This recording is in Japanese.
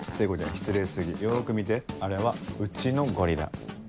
失礼過ぎよく見てあれはうちのゴリラ。